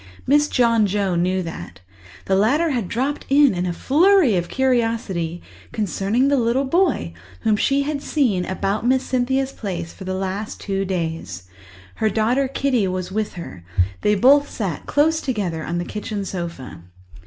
Mrs. John Joe knew that; the latter had dropped in in a flurry of curiosity concerning the little boy whom she had seen about Miss Cynthia's place for the last two days. Her daughter Kitty was with her; they both sat close together on the kitchen sofa.